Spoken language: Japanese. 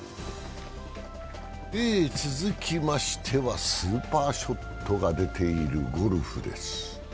続きましては、スーパーショットが出ているゴルフです。